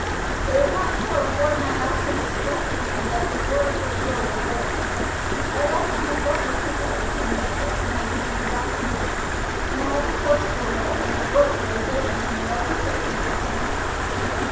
It was not until a fortnight after the school began that the Four Acre Field was ready. By that time a flock of sheep had been turned into it, and had eaten the grass smooth, and a heavy horse roller had been at work for a day making a level pitch in the center.